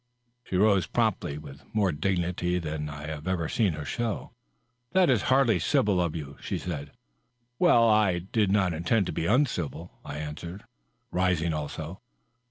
She rose promptly, with more dignity than I had ever seen her show. " That is haraly civil of you," she said. " Well, I did not intend it to be uncivil," I answered, rising also.